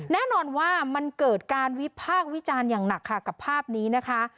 แน่นอนว่ามันเกิดการวิพากษ์วิจารณ์อย่างหนักค่ะกับภาพนี้นะคะ